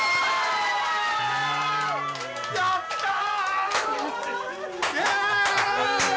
やったー！